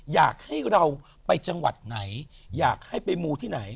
อยากให้เราไปจังหวัดไหนอยากให้ไปมูที่ไหน